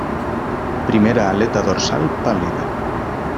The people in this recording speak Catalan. Primera aleta dorsal pàl·lida.